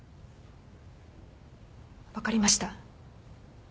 分かりました。